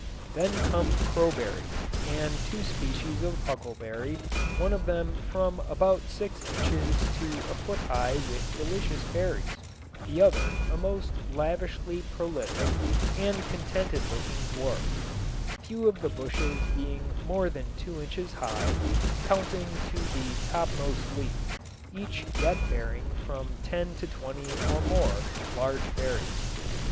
Then come crowberry, and two species of huckleberry, one of them from about six inches to a foot high with delicious berries, the other a most lavishly prolific and contented looking dwarf, few of the bushes being more than two inches high, counting to the topmost leaf, yet each bearing from ten to twenty or more large berries.